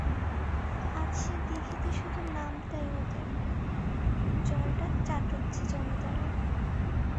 আজ সে দিঘিতে শুধু নামটাই ওদের, জলটা চাটুজ্যে জমিদারের।